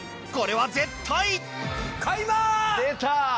これは絶対！